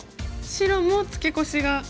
白もツケコシが。